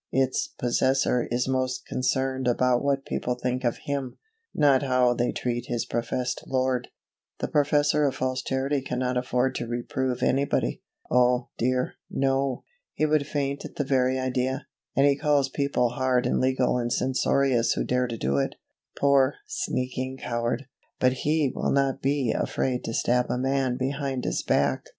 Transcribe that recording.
Its possessor is most concerned about what people think of HIM; not how they treat his professed Lord. The possessor of false Charity cannot afford to reprove anybody. Oh, dear, no! he would faint at the very idea; and he calls people hard and legal and censorious who dare to do it poor, sneaking coward! but he will not be afraid to stab a man behind his back.